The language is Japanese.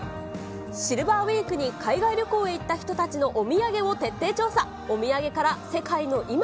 シルバーウィークに海外旅行へ行った人たちのお土産を徹底調査。